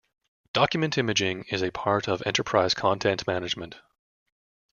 Document imaging is a part of enterprise content management.